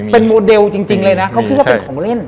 เป็นโมเดลจริงเลยนะเขาคิดว่าเป็นของเล่น